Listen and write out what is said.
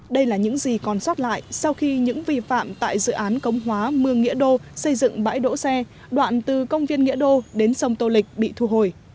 đây là những gì còn sót lại sau khi những vi phạm tại dự án công hóa mương nghĩa đô xây dựng bãi đỗ xe đoạn từ công viên nghĩa đô đến sông tô lịch bị thu hồi